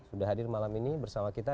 sudah hadir malam ini bersama kita